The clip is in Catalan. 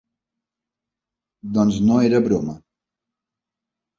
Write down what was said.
Doncs no era broma.